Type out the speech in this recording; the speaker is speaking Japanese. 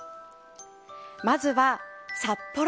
まずは、札幌。